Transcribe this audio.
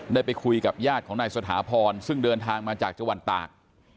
ได้ไปคุยกับญาติของนายสถาพรซึ่งเดินทางมาจากจังหวัดตาก